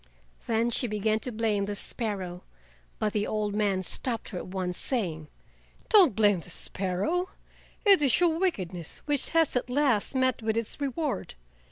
Then she began to blame the sparrow, but the old man stopped her at once, saying: "Don't blame the sparrow, it is your wickedness which has at last met with its reward.